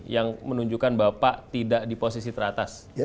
yang menunjukkan bapak tidak di posisi teratas